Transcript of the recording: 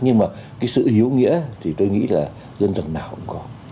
nhưng mà cái sự hiếu nghĩa thì tôi nghĩ là dân tộc nào cũng có